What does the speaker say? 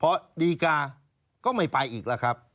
เพราะดีกาก็ไม่ไปอีกแล้วครับ